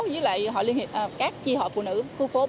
với các chi hội phụ nữ khu phố